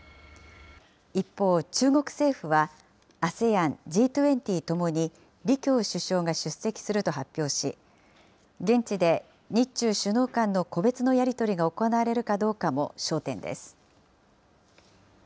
一方、中国政府は、ＡＳＥＡＮ、Ｇ２０ともに李強首相が出席すると発表し、現地で日中首脳間の個別のやり取りが行われるかどうかも焦点です。